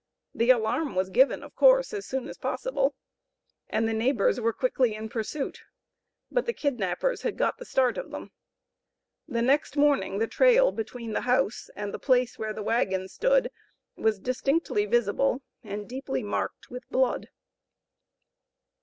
The alarm was given, of course, as soon as possible, and the neighbors were quickly in pursuit; but the kidnappers had got the start of them. The next morning the trail between the house, and the place where the wagon stood, was distinctly visible, and deeply marked with blood.